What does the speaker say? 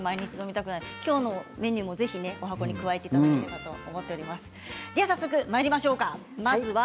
今日のメニューもぜひ、おはこに加えていただければと思っております。